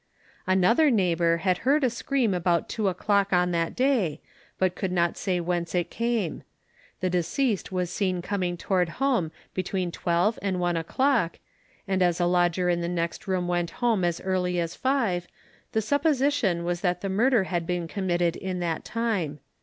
Another neighbour had heard a scream about two o'clock on that day, but could not say whence it came. The deceased was seen coming toward home between twelve and one o'clock, and as the lodger in the next room went home as early as five, the supposition was that the murder had been committed in that time.